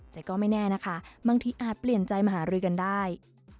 แต่ก็ไม่แน่นะคะบางทีอาจเปลี่ยนใจมหารือกันได้